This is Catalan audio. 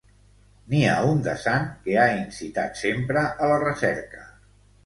N'hi ha un de sant que ha incitat sempre a la recerca.